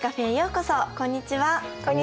こんにちは。